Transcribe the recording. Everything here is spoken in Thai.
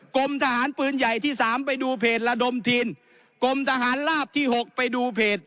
กรมทหารปืนใหญ่ที่สามไปดูเพจระดมทีนกรมทหารลาบที่๖ไปดูเพจ